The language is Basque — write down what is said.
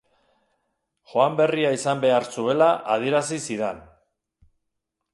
Joan berria izan behar zuela adierazi zidan.